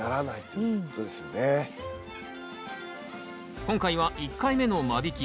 今回は１回目の間引き。